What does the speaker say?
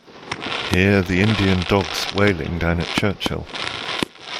Hear the Indian dogs wailing down at Churchill.